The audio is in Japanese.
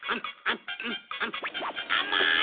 あまい！